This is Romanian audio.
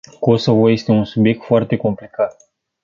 Kosovo este un subiect foarte complicat.